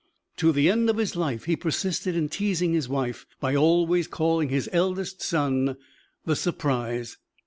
To the end of his life he persisted in teasing his wife by always calling his eldest son "The Surprise."